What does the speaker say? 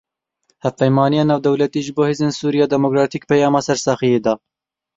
Hevpeymaniya Navdewletî ji bo Hêzên Sûriya Demokratîk peyama sersaxiyê da.